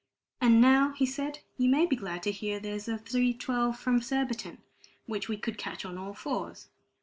"And now," said he, "you may be glad to hear there's a 3:12 from Surbiton, which we could catch on all fours.